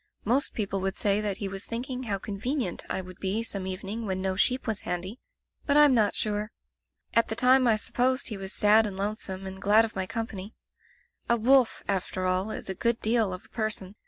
Most people would say that he was thinking how convenient I would be some evening when no sheep was handy, but Fm not sure. At the time I supposed he was sad and lonesome, and glad of my company. A wolf, after all, is a good deal of a person.